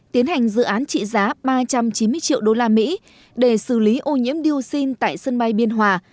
tiến hành dự án trị giá ba trăm chín mươi triệu đô la mỹ để xử lý ô nhiễm dioxin tại sân bay biên hòa